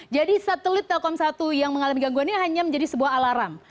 jadi satelit telkom satu yang mengalami gangguan ini hanya menjadi sebuah alarm